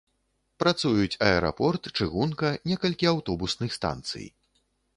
Працуюць аэрапорт, чыгунка, некалькі аўтобусных станцый.